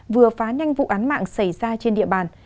vừa phá nhanh vụ án mạng xảy ra trên địa bàn